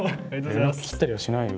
連絡切ったりはしないよ。